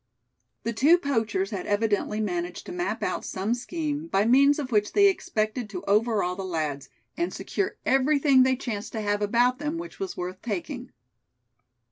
The two poachers had evidently managed to map out some scheme by means of which they expected to overawe the lads, and secure everything they chanced to have about them, which was worth taking.